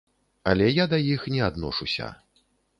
Але я да іх не адношуся.